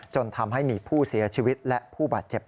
จนทำให้มีผู้เสียชีวิตและผู้บาดเจ็บ